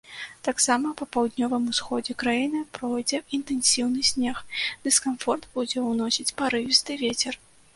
Таксама па паўднёвым усходзе краіны пройдзе інтэнсіўны снег, дыскамфорт будзе ўносіць парывісты вецер.